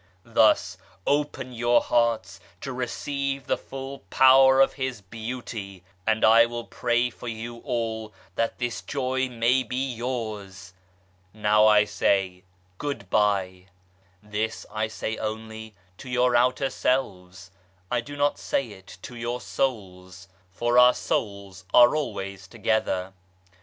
Thus, open your hearts to receive the full power of His Beauty, and I will pray for you all that this joy may be yours. ADDRESS BY ABDUL BAHA 161 Now I say " Goodbye." This I say only to your outer selves ; I do not say it to your souls, for our souls are always together.